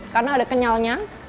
karena ada kenyalnya